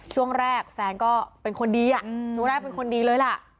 ช่วงแรกแฟนก็เป็นคนดีอ่ะช่วงแรกเป็นคนดีเลยล่ะ